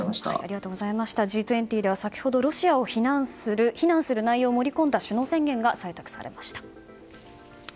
Ｇ２０では先ほどロシアを非難する内容を盛り込んだ首脳宣言が採択されました。